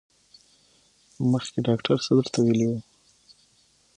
مخکې ډاکټر څه درته ویلي وو؟